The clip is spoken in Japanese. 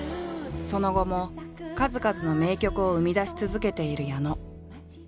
その後も数々の名曲を生み出し続けている矢野。